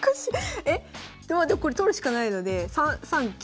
これ取るしかないので３三桂。